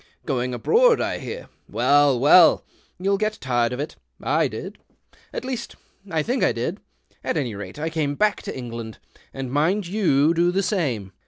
Going abroad, I hear. Well, well — you'll get tired of it. I did — at least, I tliink I did. At any rate, I came back to England — and mind you do the same.